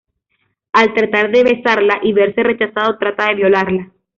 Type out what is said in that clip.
Al tratar de besarla y verse rechazado, trata de violarla.